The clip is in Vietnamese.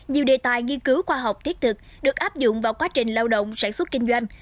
nhiều đề tài nghiên cứu khoa học thiết thực được áp dụng vào quá trình lao động sản xuất kinh doanh